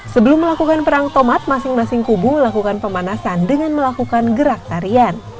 sebelum melakukan perang tomat masing masing kubu melakukan pemanasan dengan melakukan gerak tarian